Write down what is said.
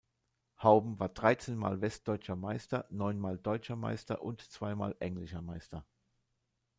Houben war dreizehnmal Westdeutscher Meister, neunmal Deutscher Meister und zweimal englischer Meister.